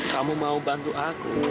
kamu mau bantu aku